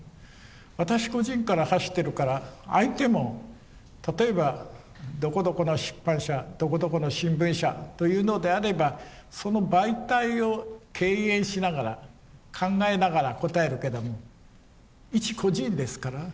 私個人から発してるから相手も例えばどこどこの出版社どこどこの新聞社というのであればその媒体を敬遠しながら考えながら答えるけども一個人ですから。